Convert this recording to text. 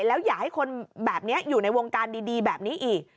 แล้วอย่าให้คนแบบนี้อยู่ในวงการดีแบบนี้อีก